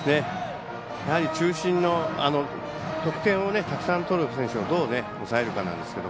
中心の得点をたくさん取る選手をどう抑えるかなんですが。